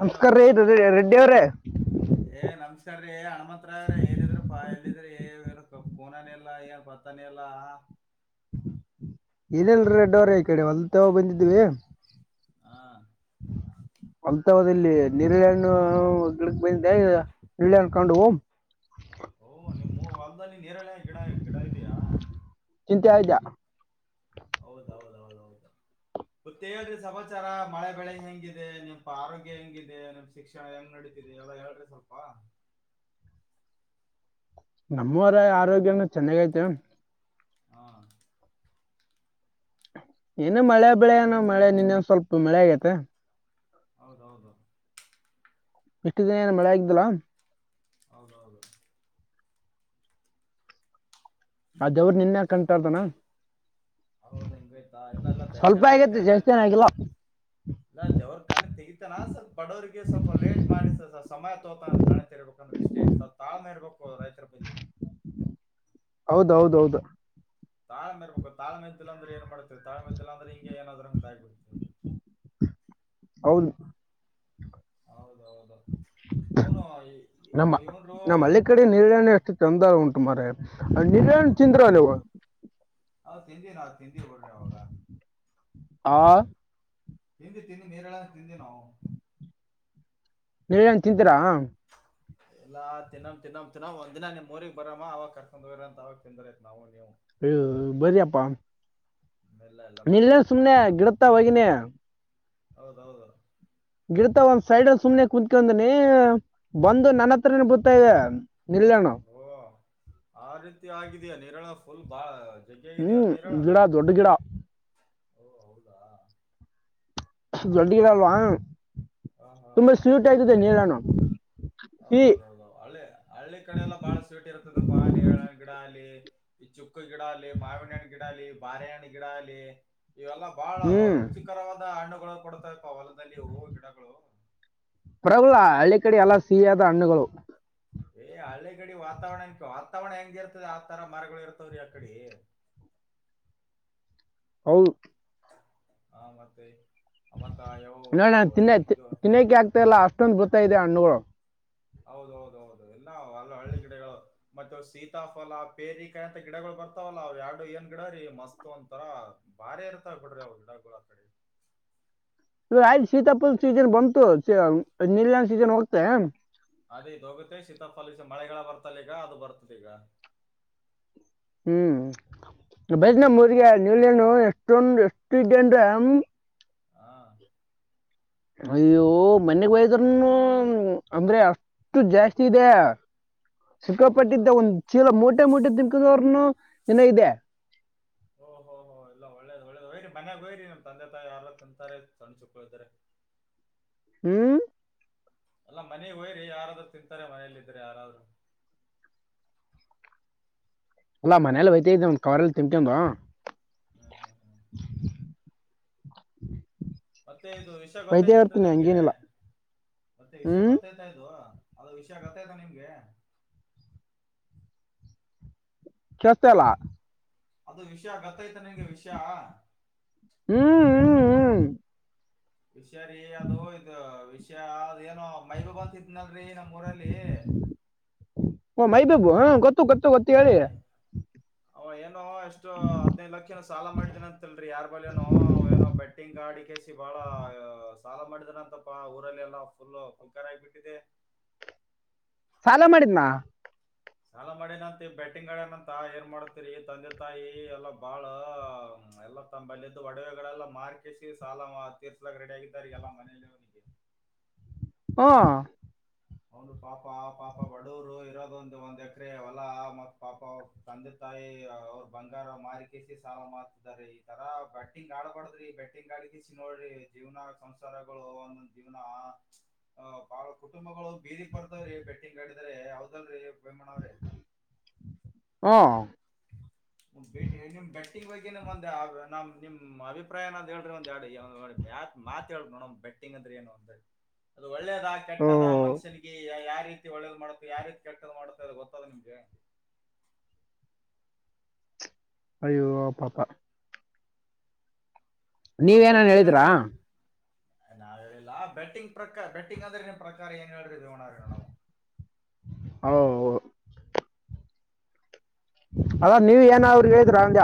Hello ರ ರೆಡ್ಡಿ ಅವ ನಿಸರ್ಗಅಯ್ಯ ಹನುಮಂತರಾಯರೇ ಎಲ್ಲಿ ಇದ್ದೀರಿ ಪಾ ಇದ್ದೀರಿ ಎದಕ್ಕ ಫೋನ ನೇ ಇಲ್ಲಾ ಏನ್ ಬರ್ತಾನೆ ಇಲ್ಲಾ? [unintelligible] ಇಲ್ಲೇ ಇವನ ರೆಡ್ಡಿ ಅವರೇ ಈ ಕಡೆ ಹೋಲ್ ತಾವ ಬಂದಿದ್ವಿ. [unintelligible] ಹಾ ಹೊಲ ತವದಲ್ಲಿ ನೇರಳೆ ಹಣ್ಣು ಗಿಡಕ್ ಬಂದಿದ್ದೆ ಈಗ ನೇರಳೆ ಹಣ್ಣು ಕಂಡುವ [unintelligible] ಓ ನಿಮ್ ಹೊಲ್ದಲ್ಲಿ ನೇರಳೆ ಗಿಡ ಗಿಡ ಇದೆಯಾ ನಿಜಾ ನಿಜಾ [unintelligible] ಹೌದ ಹೌದ ಹೌದ [unintelligible] ಮತ್ತೆ ಹೇಳ್ರಿ ಸಮಾಚಾರ ಮಳೆ ಬೆಳೆ ಹೆಂಗಿದೆ ನಿೆಪ ಆರೋಗ್ಯ ಹೆಂಗಿದೆ ನಿಮ್ಮ ಶಿಕ್ಷಣ ಹೆಂಗ್ ನಡದೆ ಎಲ್ಲ ಹೇಳ್ರಿ ಸ್ವಲ್ಪ ನಮ್ಮವರ ಆರೋಗ್ಯನ ಚೆನ್ನಾಗಐತೆ ಹಾ ಏನು ಮಳೆ ಬೆಳೆ ಏನೋ ಮಳೆ ನಿನ್ನೆ ಒಂದ ಸ್ವಲ್ಪ ಮಳೆ ಆಗೈತೆ ಹೌದೌದು ಇಷ್ಟು ದಿನ ಏನು ಮಳೆ ಆಗ್ದಲಾ ಹೌದ ಹೌದು ಅದವರು ನಿನ್ೆ ಕಂಂತಾರ್ದನ ಹೌದ ಹಿಂಗಯ್ತಾ ಇಲ್ಲಲ್ಲ ಸ್ವಲ್ಪ ತರ್ತನ್ ಆಗೈತೆ ಜಾಸ್ತಿ ತರ್ತಂತ ಏನಾಗಿಲ್ಲ ಇಲ್ಲ ದೇವ್ರರು ಕಣಿತ್ ತಗಿತಾನ ಸ್ವಲ್ಪ ಬಡವರಿಗೆ ಸ್ವಲ್ಪ ಲೇಟ್ ಮಾಡಿಸ ಸಮಯ ತೋತ ಕಣ ಇಂದ್ರ ಇಷ್ಟೇ ಸ ತಾಳ್ಮೆ ಇರ್ಬೇಕು ರೈತರ ಬಲ್ಲಿ ಹೌದೌದೌದು ತಾಳ್ಮ ಇರ್ಬೇಕ ತಾಳೆ್ದ ಅಂದ್ರೆ ಏ ಮಾಡ್ತೀ ತಾಳೆ್ದಲ ಅ್ರೆ ಹಿಂಗ ಏನ್ರಂಗ ಆ್ಬು ಹೌದು ಹೌದೌದು ಅವನು ನಮ್ಮ ಇನು ರೂ ಅವನು ಏನು ನಿವನ್ ಚಿಂದ್ರವ ಹ ತಿಿಂದಿ ನಾ ತಿಿಂದಿ ಹೊಡ್ರಿ ಅವಾಗ ಹಾ ತಿಿಂದಿ ತಿನ್ನಿ ನೀರೆ ಎಲ್ಲಾ ತಿಿಂದಿನವು ನೀವ ಏನ್ ತಿಂತೀರಾ ಎಲ್ಲಾ ತಿನ್ನ್ ತಿನ್ನಮ್ ತಿನ್ನ್ ಒಂದ ದಿನ ನಿಮ್ ಊಗ್ ಬರಮ್ಮ ಅವವಾಗ ಕರ್ಕೊಂಡ್ ಹೋಗರ ಅಂತ ಅವಾಗ ತಿಿಂದರೈತ್ ನಾವು ನೀವು್ ಹ ಬರಿಾಪ್ಪ ಎಲ್ಲ ಎಲ್ಲ ನಿಲ್ಲ ಬರಮ್ ಬರಮ್ ಸುಮ್ನೆ ಬರಮ್ ಗಿಡತ್ತಾ ಹೋಗಿನಿ ಹೌದೌದು ಗಿಡತ ಒಂದ್ ಸೈಡ್ಲ್ಲಿ ಸುಮನೆ ಕುತ್ಕೊಂಡನಿ ಬಂದು ನನ್ನ ಹತ್ರ ಬತ ಇದೆ ನಿಲ್ಲೇಣು ಓ ಆ ರೀತಿ ಆಗಿದಯ ನೀರಳ ಫುಲ್ ಬಾಳ ಹ್ಮ್ ಗಡಾ ದೊಡ್ಡ ಗಿಡ ಓ ಹೌದಾ ದೊಡ್ಡಗಿರಲ್ವಾ ಹಾ ಹಾ ತುಂಬಾ ಸ್ವೀಟ್ ಆಯ್ತದೆ ನೀರಾಣ ಹೌದೌದ ಹೌದ ಹಳ್ಳಿ ಹಳ್ಳಿ ಕಡೆ ಎಲ್ಲ ಬಾಳ ಸ್ವೀಟ್ ಇರ್ತದಪ್ಪ ನೀರ ಗಿಡ ಅಲ್ಲಿ ಈ ಚುಕ್ಕ ಗಿಡಲ್ಲ ಮಾವಿಣ ಗಿಡಾಲ ಬಾರಣ ಗಿಡಲ್ಲಿ ಇವೆಲ್ಲ ಬಾಳ ಹ್ಮ್ ರುಚಿಕರವಾದ ಹಣ್ಣುಗಳು ಕೊಡ್ತಾಪಾ ಹೊಲದಲ್ಲಿ ಹೂವು ಗಿಡಗಳು ಪ್ರಬಲ ಹಳ್ಳಿ ಕಡೆ ಎಲ್ಲಾ ಸಿಹಿಯಾದ ಹಣ್ಣುಗಳು ಹ ಹಳ್ಳಿಗಡಿ ವಾತಾವರಣ ವಾತಾವರಣ ಹೆಂಗ ಇರ್ತದೆ ಆತರ ಮರಗಳು ಇರ್ತವ್ರೀ ಆಕಡೆ [inaudible] ಹೌ ಹಾ ಮತ್ತ ಯಾವ ನೋಡ ತಿನ್ನ ಇದು ತಿನ್ನೋಕೆ ಆಗ್ತಾ ಇಲ್ಲ ಅಷ್ಟೊಂದು ಬತ ಇದೆ ಹಣ್ಣುಗಳು ಹೌದ ಹೌದ ಹೌದು ಎಲ್ಲ ಹ ಹಳ್ಳಿ ಗಿಡಗಳು ಮತ್ತೆ ಸೀತಾಫಲ ಪೇರಿಕಾಯಿ ಅಂತ ಗಿಡಗಳು ಬರ್ತಾವಲ್ಲ ಅವ್ ಎರಡು ಏನ್ ಗಿಡ್ರೀ ಮಸ್ತ್ ಅಂತರ ಬಾರಿ ಇರ್ತಾವ ಗಡ್ರಿ ಅವ ಗಿಡಗಳ ಆ ಕಡೆ [inaudible] ಇ ಆಯ್ತು ಸೀತಾಪಲ್ ಸೀಸನ್ ಬಂತು ನೀಲ್ಯನ್ ಸೀಸನ್ ಹೋಗ್ತೇ ಅದೇ ಇದ ಹೋಗುತ್ತೆ ಶೀತಾಫಲಲ್ಸ ಮಳೆಗಳ ಬರ್ತಲ್ಲ ಈಗ ಅದು ಬರ್ತದೆೀಗ ಹ್ಮ್ ಬೈತ್ ನ ಊರ್ರಿಗೆ ನೀಲನು ಎಷ್ಟೊಂದು ಎಷ್ಟು ಇದ್ದನ್ ಹಾ ಅಯ್ಯೋ ಮನೆಗ್ ಒಯದ್ರನು ಅಂದ್ರೆ ಎಷ್ಟು ಜಾಸ್ತಿ ಇದದೆೆಯ ಹೌದಾ ಸಿುಕ್ಕಪಟ್ಟಿದ್ದ ಒಂದ್ ಚೀಲ ಮೂೋಟೆ ಮೋಟೆ ತಂಕದವ್ರನು ಿನ ಇದೆ ಓ ಹೊೋ ಹೊ ಎಲ್ಲ ಒ ಒಳ್ಳೇ ಒಳ್ಳೇದು ಹಯ್ರರಿ ಮನ್ಯಾಗ ಹಯರಿ ನಮ್ ತಂದೆ ತಾಯಿ ಯಾರ ತಿಂತಾರೆ ಸಣ್ಣ ಚುಕ್ಕಳ ಇದ್ದೆ ಹ್ಮ್ ಅಲ್ಲಾ ಮನೆ ಹೋಯ್ರರಿ ಯಾರಾದ್ರರು ತಿಂತಾರೆ ಮನಲ್ಲ ಇದ್ರೆ ಯಾರಾದ್ರು ಅಲ್ಲಾ ಮನೇಲಿ ಹೊಯ್ತಾ ಇದ ಒ ಕವರೆ ಎಲ್ಲಿ ತಿಮಟಂದು ಹ್ಮ್ ಹ್ಮ್ ಹ್ಮ ಮತ್ತೆ ಇದು ವಿಷಯ ಒಯ್ತಾ ಗೊತ್ತಾಯ್ತನ್ರಿ ಇರ್ತೀನಿ ನಿಮ್ಗೆ ಹಂಗೇನಿಲ್ಲ ಮತ್ತೆ ವಿಷಯ ಹ್ಮ್ ಗೊತ್ತಾಯ್ತಾ ಇದು ಅದು ವಿಷಯ ಗತ್ತಾಯಯ್ತಾ ನಿಮ್ಗೆ ಕೆಳ್ಸ್ತ ಇಲ್ಲ ಅದು ವಿಷಯ ಗತ್ತೈತ ನಿಂಗೆ ವಿಷಯ ಹ್ಮ್ ಹ್ಮ್ ಹ್ಮ್ ಹಷಾರಿ ಅದು ಇದುಷ ಅದ ಏನೋ ಮೈಬ ಬಂತಿತ್ನಲ್ರರಿ ನಮ್ಮ್ ಊರಲ್ಲಿ ಓ ಮೈಬಾಬು ಹಾ ಗೊತ್ತು ಗೊತ್ತು ಗೊತ್ತ ಹೇಳಿ ಎಷ್ಟು ಹದ್ನೈದು ಲಕ್ಷ ಸಾಲ ಮಾಡಿದೇನ ಅಂತಲ್ರಿ ಯಾರ್ ಬಳಿನು ಏನೋ ಬೆಟ್ಟಿಂಗ್ ಆಡಿಕ ಬಹಳ ಸಾಲ ಮಾಡಿದ್ರ ಅಂತಪ್ಪಾ ಊರಲ್ಲಿ ಎಲ್ಲಾ ಫುಲ್ ಪುಕಾರಾರ ಆಗಬಿಟ್ಟಿದೆ [inaudible] ಸಾಲ ಮಾಡಿದ್ನಾ ಸಾಲ ಮಾಡಿನಂತ ಬೆಟ್ಟಿಂಗ್ ಅಡನಂತ ಏನ್ ಮಾಡತರಿ ತಂದೆ ತಾಯಿ ಎಲ್ಲ ಬಾಳ ಹ್ಮ ಎಲ್ಲಾ ತಮ್ಮಲ್ಲಿದ್ದು ಒಡವೆಗಳಲ್ಲ ಮಾರ್ಕಸಿ ಸಾಲ ತೀರ್ಸ್ಲಕ್ ರೆಡಿ ಆಗಿದಾರ ಎಲ್ಲಾ ಮನಲಿ ಅವನಿಗೆ [inaudible] ಹ ಅವಂದು ಪಾಪ ಪಾಪ ಬಡವರು ಇರೋದ ಒಂದ ಒಂದ್ ಎಕರೆ ಹೊಲ ಮತ್ ಪಾಪ ತಂದಿತ್ತ ಅವ್ರು ಬಂಗಾರ ಮಾರಿಕಸಿ ಸಾಲ ಮಾಡತಿದ್ದಾರೆ ಈ ತರ ಬಟ್ಟಿಂಗ್ ಆಡಬಾರಡ್ರಿ ಬೆಟ್ಟಿಂಗ್ ಆಡಿ ನೋಡ್ರಿ ಜೀವನ ಸಂಸಾರಗಳು ಒಂದೊಂದ ಜೀವನ ಅ ಬಹಳ ಕುಟುಂಬಗಳು ಬೀದಿಕ್ ಬರ್ದವ್ರಿ ಬೆಟ್ಟಿಂಗ್ ಆಡಿದ್ರ ಯಾವದಲ ವೇಮಾನ ಅವ್ರಿ ಹಾ ನಿಮ್ ಬೆಟ್ಟಿಂಗ್ ಬಗ್ಗೆ ಒಂದ ನ ನಿಮ್ ಅಭಿಪ್ರಾಯನ ಅ ಹೇಳ್ರಿ ಒಂದ್ ಎರಡ್ ಯತ್ ಮಾತ್ ಹೇಳ ನೋಡಮ್ ಬೆಟ್ಟಿಂಗ್ ಅಂದ್ರೆ ಏನು ಅ ಒಳ್ಳೇದ ಓ ಕೆಟ್ಟದ ಮನುಷ್ಯನಿಗೆ ಯಾಕೆ ಯಾವ ರೀತಿ ಒಳ್ಳೇದು ಮಾಡುತ್ತೆ ಯಾವ ರೀತಿ ಕೆಟ್ಟದ್ ಮಾಡುತ್ತೆ ಅದು ಗೊತ್ತದ ನಿಮ್ಗೆ ಅಯ್ಯೋ ಪಾಪಾ ನೀವೇಏನನ್ ಹೇಳಿದ್ರಾ ನಾವ ಹೇಳಿಲ್ಲಾ ಬ ಬೆಟ್ಟಿಂಗ್ ಪ್ರಕಾರ ಬೆಟ್ಟಿಂಗ್ ಅಂದ್ರೆ ನಿನ್ ಪ್ರಕಾರ ಏನ್ ಹೇಳ್ರಿ [unintelligible] ಓ ಅದ ನೀವ್ ಏನ ಆ ಅವ್ರಿಗೆ ಹೇಳಿದ್ರರು ಅಂದೆ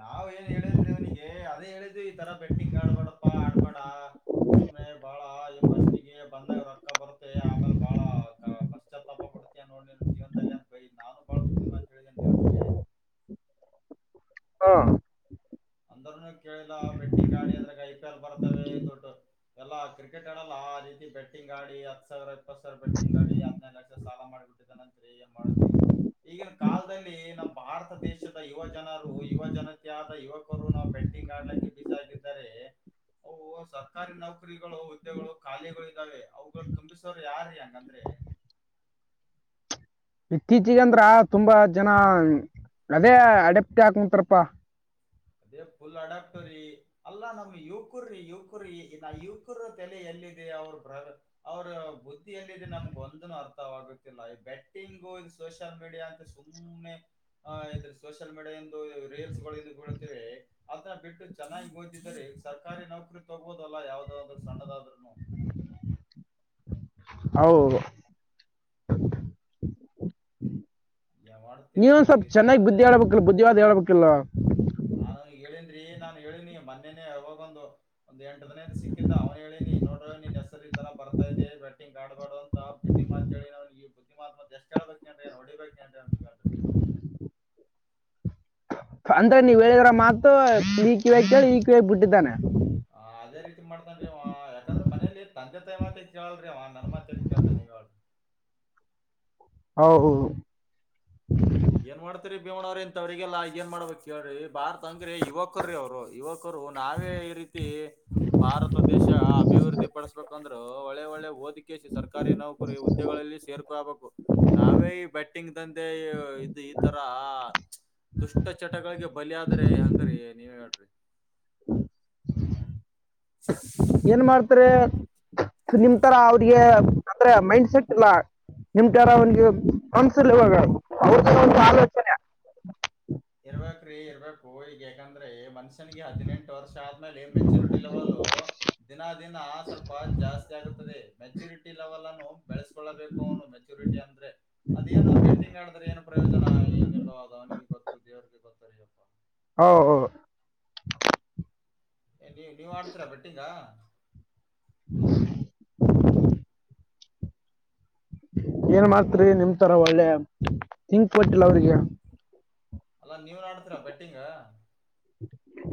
ನಾವ್ ಏನ್ ಹೇಳಿಲ್ರಿ ಅವನಿಗೆ ಅದೇ ಹೇಳಿದ್ವಿ ಈ ತರ ಬೆಟ್ಟಿಂಗ್ ಆಡ್ಬೇಡಪ್ಪಾ ಆಡ್ಬ ಬೇಡ ಸುಮ್ಮನೆ ಬಾಳ ಈ ಫಸ್ಟ್ಗೆ ಬಂದಾಗ ರೊಕ್ಕ ಬರುತ್ತೆ ಆಮೇಲೆ ಬಾಳ ಪಶ್ಚಾತ್ತಾಪ ಕೊಡ್ತಯ ನೋಡ್ ಜೀವನದಲ್ಲಿ ಅಂತ ಬಯಿ ನಾನು ಬಾಳ ಬುದ್ಧಿಮಾತ್ ಹೇಳಿದೇನ ದೇವನಿಗೆ [inaudible] ಹಾ ಅಂದ್ರನು ಕೇಳಿಲ್ಲ ಬೆಟ್ಟಿಂಗ್ ಆಡಿ ಅದ್ರೆ ಐ ಪಿ ಎಲ್ ಬರ್ತವೆ ೊಡ್ ಎಲ್ಲಾ ಕ್ರಿಕೆಟ್ ಆಡಲ್ಲ ಆ ರೀತಿ ಬೆಟ್ಟಿಂಗ್ ಆಡಿ ಹತ್ ಸಾವಿರ ಇಪ್ಪತ್ ಸಾವಿರ ಬೆಟ್ಟಿಂಗ್ ಆಡಿ ಹದ್ೈದು ಲಕ್ಷ ಸಾಲ ಮಾಡಿಬಿಟ್ಟಿದ್ದ ನಂರಿ ಮಾಡತಿ ಈಗಿನ ಕಾಲದಲ್ಲಿ ನಮ್ಮ ಭಾರತ ದೇಶದ ಯುವ ಜನರು ಯುವ ಜನತ ಆದ ಯುವ ರು ನಾವು ಬೆಟ್ಟಿಂಗ್ ಆಡ್ಲಕ್ಕೆ ಬೀಜ ಆಗಿದ್ದಾರೆ ಅವು ಸರ್ಕಾರಿ ನೌಕರಿಗಳು ಹುದ್ದೆಗಳು ಖಾಲಿಗಳು ಇದಾವೆ ಅವುಗಳು ತುಂಬಿಸೋರ ಯಾರೀ ಹಂಗಂದ್ರೆ [inaudible] ಇತ್ತೀಚಗ ಅಂದ್ರ ತುಂಬಾ ಜನ ಅದೇ ಅಡಪ್ಟ ಹಾಕ್ ಮುಂತಾರಪ್ಪಾ ಅದೇ ಫುಲ್ ಅಡಾಕ್ಟ್ರಿ ಅಲ್ಲಾ ನಮ್ ಯುವಕರ್ರಿ ಯುವಕರಿ ಯುವಕರ ತಲೆ ಎಲ್ಲಿ ಅವ ಅವ್ರ ಬುದ್ಧಿಯಲ್ಲಿದೆ ನಮ್ಗೆ ಒಂದನು ಅರ್ಥವಾಗುತ್ತಿಲ್ಲ ಬೆಟ್ಟಿಂಗ ಸೋಷಿಯಲ್ ಮೀಡಿಯಾ ಅಂತ ಸುಮ್ಮ್ನೆ ಸೋಷಿಯಲ್ ಮೀಡಿಯಾಂದು ರೀಲ್ಸ್ಗಳು ಅದನ್ನ ಬಿಟ್ಟು ಚೆನ್ನಾಗಿ ಓದಿದ್ದರೆ ಸರ್ಕಾರಿ ನೌಕರಿ ತಗಬೋದಲ್ಲ ಯಾವ್ದಾದ್ರು ಸಣ್ಣದಾದ್ರುನು ಆ ಹೌ ಮಾಡ್ತೀರಿ ನೀವನ್ ಈ ಸ್ವಲ್ಪ ರೀತಿ ಚೆನ್ನಾಗಿ ಆದ್ರ ಬುದ್ಧಿ ಹೇಳ್ಬೇಕಲ್ ಬುದ್ಧಿವಾದ ಹೇಳ್ಬೇಕಿಲ್ವಾ ಹಾ ಹೇಳನ್್ರಿ ನಾನನ್ ಹೇಳಿನಿ ಮೊೇನೆೇ ಹೋಗೊಂದು ಒಂದ ಎಂಟ ದನೇದ ಸಿಕ್ಕಿದ್ದ ಅವ್ನು ಹೇಳಿನಿ ನೋಡ ಹೆಸಲ್ಲಿ ತರ ಬರ್ತಾ ಇದೆ ಬೆಟ್ಟಿಂಗ ಆಡ್ಬಾಡ ಅಂತ ಬುದ್ಧಿ ಮಾಾ ಹೇಳಿ ನ್ ಈ ಬುದ್ಧಿ ಮಾಾತ್ ಎಷ್ಟುೇಳ್ಬೇಕ ಎ ಬ ಅಂದ್ರೆ ನೀವ್ ಹೇಳಿದ್ರ ಮಾತ ಈ ಕಿವ ಕೇಳಿ ಈ ಕಿವ ಬಿಟ್ಟಿದ್ದಾನೆ ಹ ಅದೇ ರೀತಿ ಮಾಡ್ತನ್ಿ ಯಾಕಂದ್ರೆ ಮನೇಲಿ ತಂದೆ ಳ್್ರ ನನ್ನ ಮಾ ತೊರಿಕಂತ ನೀಳ್ ಹೌ ಹೌ ಏನ್ ಮಾಡ್ತರಿ ಭೀಮಣ ಅವ್ರ ಇಂತವ್ರರಿಗೆಲ್ಲ ಏನ್ ಮಾಡ್ಬೇಕಕ್ ಕೇಳ್ರಿ ಭಾರ್ತ್ ಅಂಗ ಅಂದ್ರೆ ಯುವಕ ರೀ ಅವರು ಯುವಕರು ನಾವೇ ಈ ರೀತಿ ಭಾರತ ದೇಶ ಅಭಿವೃದ್ಧಿ ಪಡಿಸಬೇಕಂದ್ರು ಒಳ್ಳೆ ಒಳ್ಳೆ ಓದಿಕಿಸಿ ಸರ್ಕಾರಿ ನೌಕರಿ ಉದ್ಯೋಗ ಸೇರ್ಕೋಬೇಕು ನಾವೇ ಈ ಬಟ್ಟಿಂಗ್ ದಂದೆ ಇದು ಈ ತರ ಆ ದುಷ್ಟ ಚಟಗಳಿಗೆ ಬಲಿಯಾದ್ರೆ ಹಂಗ್ರರಿ ನೀವ್ ಹೇಳ್ರಿ ಹ ಇವುಗಳಲ್ಲಿ ಸೇರಿಕೊಬೇಕು ನಾವೇ ಈ ಬೆಟ್ಟಿಂಗ್ ದಂದೇಲೀ ಏನ್ ಮಾಡ್ತಾರೆ ನಿಮ್ ತರ ಅವ್ರಿಗೆ ಅಂದ್ರೆ ಮೈಂಡ್ ಸೆಟ್ ಇಲ್ಲ ನಿಮಟ ಯಾರ ಅವನ್ಿಗೆ ಅನ್ಸಲ್ ಇವಾಗ ಅವ್ರ ಒಂದು ಆಲೋಚನೆ ಇರ್ಬೇಕ್ರಿ ಇರ್ಬೇಕು ಈಗ ಯಾಕಂದ್ರೆ ಮನ್ಸ ಹದಿನೆಂಟು ವರ್ಷ ಆದ್ಮೇಲೆ ಮೆಚ್ಯೂರಿಟಿ ಲೆವೆಲ್ ದಿನ ದಿನ ಸ್ವಲ್ಪ ಜಾಸ್ತಿ ಆಗುತ್ತೆ ಮೆಚುರಿಟಿ ಲೆವೆಲ್ ಅನ್ನು ಬೆಳೆಸ್ಕೊಳ್ಳಬೇಕು ಅವನು ಮೆಚುರಿಟಿ ಅಂದ್ರೆ ಅದೇನ ಬೆಟ್ಟಿಂಗ್ ಆಡಿದ್ರೆ ಏನ್ ಪ್ರಯೋಜನ ಏನಲ್ಲೋ ಅದ ಅವನಿಿಗೆ ಗೊತ್ತು ದೇವ್ರಿಗೆ ಗೊತ್ತಾರ ಅಪ್ಪ ಹೌ ಹ ಏ ನೀವು ನೀವು್ ಆಡ್ತೀರಾ ಬೆಟ್ಟಿಂಗ ಹಳ ಏನ್ ಮಾಡ್ತ್ರಿ ನಿಮತರ ಒಳ್ಳೆ ಥಂಕ್ ಕೊಟ್ಟಿಲ್ಲ ಅವ್ರಿಗೆ ಅಲ್ಲಾ ನೀವ್ ನಾಡತರ ಬೆಟ್ಟಿಂಗ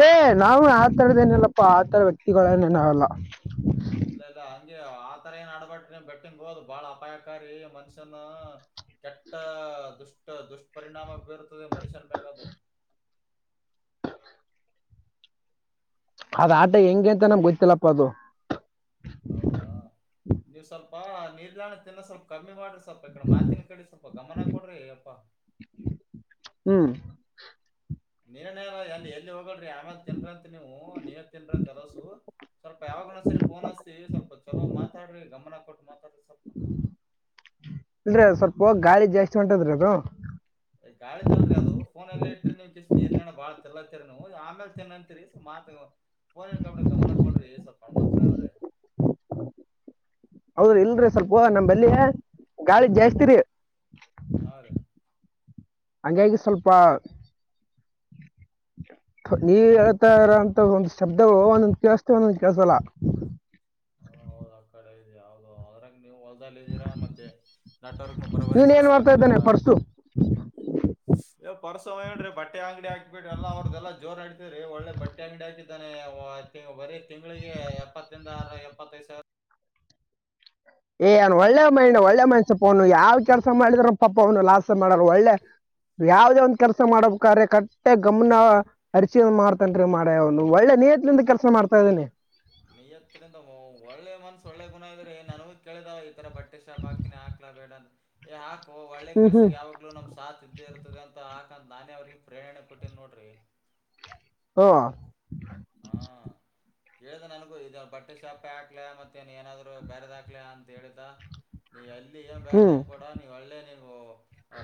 ಏ ನಾವವು ಆತರದ ಏನಲ್ಲಪ್ಪ ಆತರ ವ್ಯಕ್ತಿಗಳಏನ ಏನಾಗಲ್ಲ ಇಲ್ಲ ಇಲ್ಲ ಹಂಗಗೆ ಆತರ ಏನ್ ಆಡ್ಬಟ್ರಿ ಬೆಟ್ಟನ್ ಹೋದು್ ಬಾಳ ಅಪಾಯಕಾರಿ ಮನುಷ್ಯನ ಕೆಟ್ಟ ದುಷ್ಟ ದುಷ್ಪರಿಣಾಮ ಬೀರುತದೆ ಮನುಷ್ಯನ್ ಮ್ಯಾಗ ಅದು ಹ್ಮ್ ಅದ ಆಟ ಹೆಂಗೆ ಅಂತ ನಮ್ಗೆ ಗೊ್ತ್ತಿಲ್ಲಪ್ಪ ಅದು ಹೌದಾ ನೀವು್ ಸ್ವಲ್ಪ ನಿಲ್ದಾಣ ತಿಿಂದ ಸ್ವಲ್ಪ ಕಮ್ಮಿ ಮಾಡ ಸ್ವಲ್ಪ ಈಡೆ ಮಾತಿನ ಕಡೆ ಸ್ವಲ್ಪ ಗಮನ ಕೊಡ್ರಿ ಅಪ್ಪಾ ಹ್ಮ್ ನೀರನ ಎಲ್ಲಿ ಎಲ್ಲಿ ಹೋಗಡ್ರಿ ಆಮೇಲ್ ತಿನ್್ರಂತ ನೀವು ನೀರ್ ತಿನ್್ರ ಅಂತ ಅರಸು ಸ್ವಲ್ಪ ಯಾವಾಗ ಒಂದ್ ಸರಿ ಫೋನ್ ಹಸ್ತಿವಿ ಸ್ವಲ್ಪ ಚಲೋ ಮಾತಾಡ್ರಿ ಗಮನ ಕೊಟ್ಟ ಮಾ ಅಂದ್ರೆ ಸ್ವಲ್ಪ ಹ ಗಾಳಿಗೆ ಜಾಸ್ತಿ ಹೊಂಟದ್ರ ಅದು. ಕಾಳಿ ಅಲ್ರಿ ಅದು ಫೋನ್ ಎಲ್ಲ ಇ್ರಿ ನಿಮ್ ಕ ನೀರ್ನ ಬಾಳ ತಿರ್ಲ ಆಮೇಲೆ ತಿನ್ನಂತೀರಿ ಸ ಮಾತ ೋನ್ ಇ ಕಡೆ ಗಮನ ಕೊಡ್ರಿ ಸ ಹಣವಂತರಾವ್ರೆ ಹೌದ್ರಿ ಇಲ್ರರಿ ಸ್ವಲ್ಪ ನಮಲ್ಲಿ ಗಾಳಿ ಜಾಸ್ತಿರಿ ಹಾ ರೀ ಹಂಗಾಗಿ ಸ್ವಲ್ಪ ನೀವ ಹೇಳ್ತರ ಅಂತ ಒಂದಂದು ಶಬ್ದವು ಒಂದೊಂದ ಕೆೇಸತ ಒಂದೊಂದ ಕೆಲ್ಸಲ್ಲ ಹೌ ಯಾವುದು ಅದ ನೀವು ಹೊಲ್ದಲ್ ಇದ್ದೀರಾ ಮತ್ತೆ ನೆಟ್ವರ್ಕ್ನು ಬರಬರಿ ಕೇಳಲ್ಲ ಆ ಕಡೆ ಎಲ್ಲ. ಹ್ಮ್. ವ್ ಪರಸವ ಹೇಲ್ರಿ ಬಟ್ಟೆ ಅಂಗಡಿ ಹಾಕ್ಬಿಡ್ರಿ ಎಲ್ಲ ಅವ್ರ್ದದೆಲ್ಲ ಜೋರ ಆಡತೇರೀ ಒಳ್ಳೆ ಬಟ್ಟೆ ಅಂಗಡಿ ಹಾಕಿದ. ಇದ ಬರೀ ತಿಂಗಳಿಗೆ ಎಪ್ಪತ್ತರಿಂದ ಆರು ಎಪ್ಪತ್ತೈದು ಸಾವಿರ. ಏ ಅವನ್ ಒಳ್ಳೆ ಮೈಂಡ್ ಒಳ್ಳೆ ಮನಸಪ್ಪನು ಯಾವ್ ಕೆಲಸ ಮಾಡಿದ್ರ ಪಾಪ ಅವನು ಲಾಸ ಮಾಡರು ಒಳ್ಳೆ. ಯಾವದೇ ಒಂದ್ ಕೆಲಸ ಮಾಡಬೇಕಾದ್ರೆ ಕಟ್ಟೆ ಗಮನ ಅರಿಚಿ ಮಾಡ್ತನ್ ಮಾಡತಾನ ಅವನು ಒಳ್ಳೆ. ನೀಯತರಿಂದ ಕೆಲಸ ಮಾಡ್ತಾ ಇದ್ದೇನೆ. ನಿಯತ್ತಿರಿಂದ ಒಳ್ಳೆ ಮನ್ಸ ಒಳ್ಳೆ ಗುಣ ಇದ್ರ ನನಗೂ ಕೇಳಿದ. ರ ಬಟ್ಟೆ ಶಾಪ್ ಹಾಕ್ತೀನಿ ಹಾಕ್ಲಾ ಬೇಡಾ. ಒಳ್ಳೆ ಹ್ಮ್ ಹ್ಮ್ ಕೆಲ್ಸಕ್ಕೆ ಯಾವಾಗ್ಲೂ ನಮ್ ಸಾತ ಇದ್ದೇ ಇರುತ್ತದೆ ಅಂತ. ಯಂದ ನಾನೇ ಅವ್ರಗ್ ಪ್ರೇರಣೆ ಕೊಟ್ಟೇನ ನೋಡ್ರಿ. ಹ್ಮ. ಕೇಳ್ದ ನನಗೂ ಇದ ಬಟ್ಟೆ ಶಾಪೆ ಹಾಕ್ಲ ಮತ್ತೆನ್ ಏನಾದ್ರು ಬ್ಯಾರದ್ ಹಾಕ್ಲ ಅಂತ ಹೇಳಿದ. ನೀ ಯಲ್ಲಿ ಇಲ್ಲಿ ಏನ್ ಹ್ಮ್ ಹ್ಮ್ ಬೇಗಬಡ ನೀವು ಒಳ್ಳೇ ನೀವು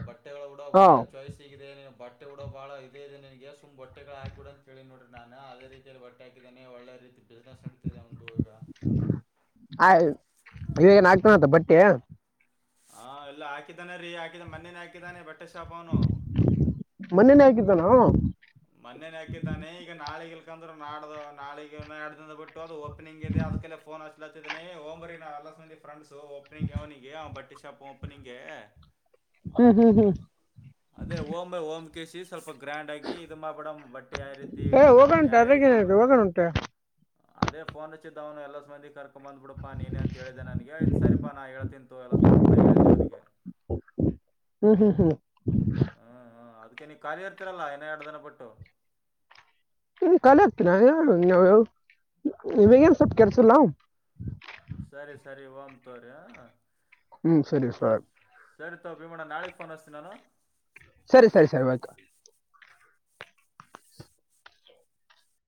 ಬಟ್ಟೆಗಳು ಕೂಡ ಬಹಳ ಹ್ಮ್ ಚಾಯ್ಸ್ ಸಿಗಿದೆ ಬಟ್ಟೆ. ಬಟ್ಟೆ ಕೊಡೋ ಬಹಳ ಇದೆ ಇದೆ ನನ್ಗೆ ಸುಮ್ ಬಟ್ಟೆಗಳು ಹಾಕಿಡಂತೇಳಿ ನೋಡ್ರ ನಾನ್ ಅದ ರೀತಿ ಬಟ್ಟೆ ಹಾಕಿದ್ದಾನನೆ ಒಳ್ಳೆ ರೀತಿ ಬಿಸ್ನೆಸ್ ನಡತಿದೆ ಒಂದು ಈಗ. ಇದ ಏನ್ ಆಗ್ತಾನತ್ತ ಬಟ್ಟೆ. ಹಾ ಇಲ್ಲ ಹಾಕಿದಾನ ರಿ ಹಾಕಿದನ ಹಾಕಿದಾನೆ ರೀ ಹಾಕಿದ ಮನೇನ ಹಾಕಿದಾನೆ ಬಟ್ಟೆ ಶಾಪನು. ಾನ [inaudible] ಮೊನ್ನೆನೆ ಹಾಕಿದ್ದಾನೆ ಈಗ ನಾಳಿ ಇಲ್ಕಂದ್ರ ನಾಡ್ದ ನಾಳ ನಾಡಿಂದ ಬಿಟ್ಟು ಅದು ಓಪನಿಂಗ್ ಇದೇ. ಅದಕ್ಕೆಲ್ಲ ಫೋನ್ ಹಚ್ಲಾತಿದ್ದನ ಓಂಬರಿ ನಾವೆಲ್ಲ ಸೇರಿ ಫ್ರೆಂಡ್ಸ್. ೊ ಓಪನಿಂಗ್ ಅವನಿಗೆ ಬಟ್ಟೆ ಶಾಪ್ ಓಪನಿಂಗೆ ಹ್ಮ್ ಹ್ಮ್ ಹ್ಮ್. ಅದೇ ಓಮ್ ಓಮ್ ಕೇಸಿ ಸ್ವಲ್ಪ ಗ್ರ್ಯಾಂಡ್ ಆಗಿ ಇದ ಮಾಡ ಬಿಡ್ ಬಟ್ಟೆ ಯಾವ ರೀತಿ ಏ ಇಟ್ಟನು ಅವನ ಹೋಗೋಣಂತೆ ಯಾವ ಅದ್ರಾಗೇನ್ ರೀತಿ. ಐತೆ ಹೋಗೋಣಂತೆ ಅದೇಫೋನ್ ಹಚ್ಚಿದ ಅವನು ಎಲ್ಲ ಸಂದಿ ಕರೆಕ್. ಬಂದ್ಬಿಡಾ ನೀನೇ ಅಂತ ಹೇಳಿದ್ದೆ ನನಗೆ ಆಯ್ತ ಸರಿಪಾ ಹೇಳ್ತಿನ ತೊಗೊ ಎಲ್ಲ ನಾ ಹೇಳಿದ್ದೆ ಅವನಿಗೆ. ಹ್ಮ್ ಹ್ಮ್ ಹ್ಮ್. ಹಾ ಅದಕ್ಕೆ ನೀ ಖಾಲಿ ಇರ್ತೀರಲ್ಲಾ ಏನ ಎರಡು ದಿನ ಬಿಟ್ಟು. ಇನ್ ಖಾಲಿ ಆಗ್ತನಾ ನವು ನಿವಗ ಏನ್ ಸ್ವಲ್ಪ ಕೇಳ್ಸಿಲ್ಲ ಸರಿ ಸರಿ ಒಮ್ ತೋರಿ ಹ. ಹ್ಮ್ ಸರಿ ಸಾರ್. ಸರಿ ತವ ಭೀಮಣ ನಾಳೆಗೆ ಫೋನ್ ಹಸ್ತನಿ ನಾನು. ಸರಿ ಸರಿ ಸರಿ ಬಯತು.